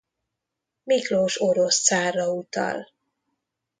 Miklós orosz cárra utal.